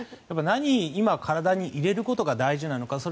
何を今体に入れることが大事なのか